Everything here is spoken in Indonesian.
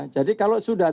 jadi kalau sudah